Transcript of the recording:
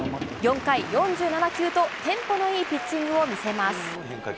４回４７球とテンポのいいピッチングを見せます。